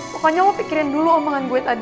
pokoknya lo pikirin dulu omongan gue tadi